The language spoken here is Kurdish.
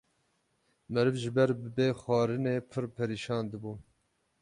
Meriv ji ber bê xwarinê pirr perîşan dibûn.